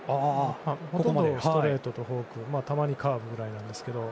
ほとんどストレートとフォークたまにカーブぐらいですか。